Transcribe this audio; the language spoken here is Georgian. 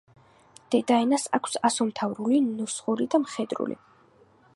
დედაენას აქვს: ასომთავრული, ნუსხური და მხედრული.